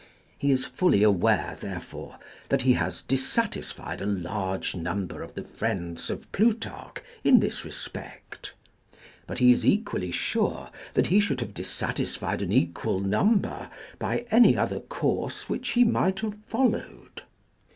He is fully aware, therefore, that he has dissatisfied a large number of the friends of Plutarch in this respect ; but he is equally sure that he should have dissatisfied an equal number' by any other course which he might have followed.